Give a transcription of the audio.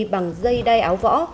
bằng dây đai áo võ